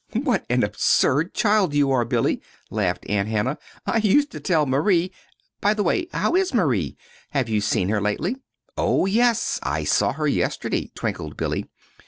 "What an absurd child you are, Billy," laughed Aunt Hannah. "I used to tell Marie By the way, how is Marie? Have you seen her lately?" "Oh, yes, I saw her yesterday," twinkled Billy.